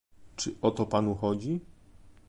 Czy o to Panu chodzi?